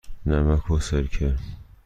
نمک و سرکه.